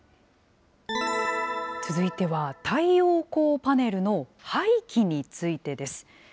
続いては、太陽光パネルの廃棄についてです。